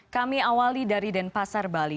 kami awali dari denpasar bali